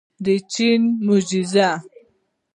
د چین معجزه.